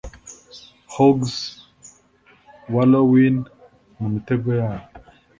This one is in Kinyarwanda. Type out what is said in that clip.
hogs wallowin 'mumitego yabo